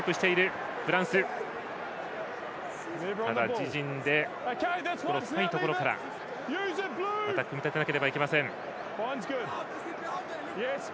自陣深いところからまた組み立てなければいけません。